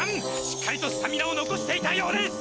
しっかりとスタミナをのこしていたようです！